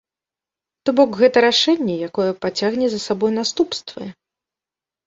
То бок гэта рашэнне, якое пацягне за сабой наступствы.